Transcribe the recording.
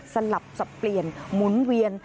สลับสับเปลี่ยนหมุนเวียน